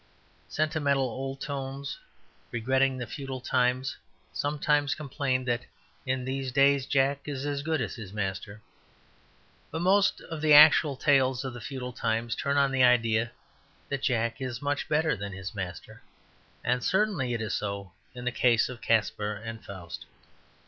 Sentimental old Tones, regretting the feudal times, sometimes complain that in these days Jack is as good as his master. But most of the actual tales of the feudal times turn on the idea that Jack is much better than his master, and certainly it is so in the case of Caspar and Faust.